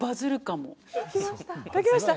書けました。